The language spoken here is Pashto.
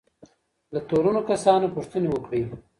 له تورنو کسانو پوښتني وکړئ.